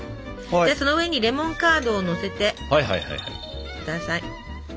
でその上にレモンカードをのせて下さい。